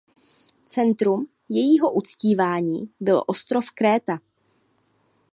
Centrum jejího uctívání byl ostrov Kréta.